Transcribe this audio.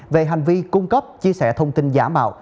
về hành vi cung cấp chia sẻ thông tin giả mạo